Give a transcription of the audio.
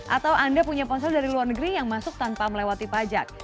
atau anda punya ponsel dari luar negeri yang masuk tanpa melewati pajak